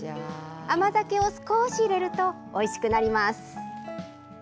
甘酒を少し入れるとおいしくなります。